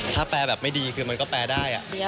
ถ้าแปลแบบไม่ดีคือมันก็แปลได้